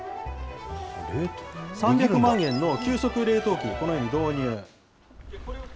３００万円の急速冷凍機を、このように導入。